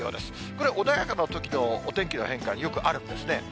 これ、穏やかなときのお天気の変化、よくあるんですね。